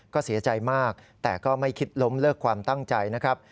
ก็เสียใจมากแต่ก็ไม่คิดล้มเลิกความตั้งใจนะครับ